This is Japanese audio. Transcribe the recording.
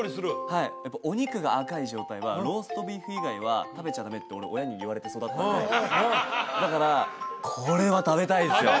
はい「お肉が赤い状態はローストビーフ以外は食べちゃダメ」って俺親に言われて育ったんでだからこれは食べたいですよ